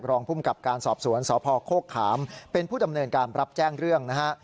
รองภูมิกับการสอบสวนสพโคกขามเป็นผู้ดำเนินการรับแจ้งเรื่องนะฮะ